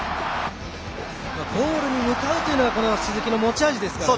ゴールに向かうというのが鈴木の持ち味ですからね。